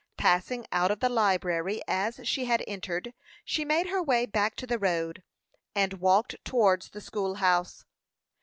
Passing out of the library as she had entered, she made her way back to the road, and walked towards the school house.